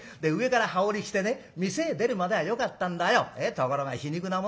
ところが皮肉なもんだ。